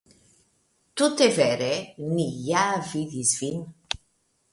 Tute vere, ni ja vidis vin.